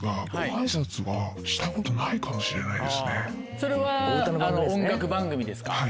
それは音楽番組ですか？